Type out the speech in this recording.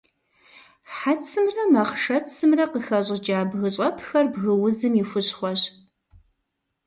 Хьэцымрэ махъшэцымрэ къыхэщӏыкӏа бгыщӏэпхэр бгыузым и хущхъуэщ.